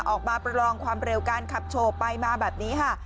ประลองความเร็วการขับโชว์ไปมาแบบนี้ค่ะ